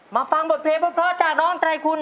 ฟังบทเพลงเพราะจากน้องไตรคุณ